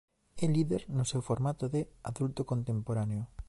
É líder no seu formato de "Adulto Contemporáneo".